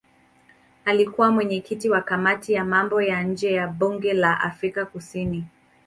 Alikuwa mwenyekiti wa kamati ya mambo ya nje ya bunge la Afrika Kusini.